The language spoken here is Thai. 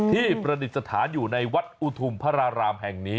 ที่ประหลับสถานอยู่ในวัดอุธุมพระรามแห่งนี้